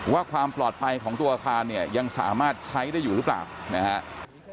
ว่าความปลอดภัยของตัวอาคารเนี่ยยังสามารถใช้ได้อยู่หรือเปล่านะครับ